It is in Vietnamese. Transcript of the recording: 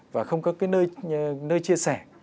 và không có cái nơi chia sẻ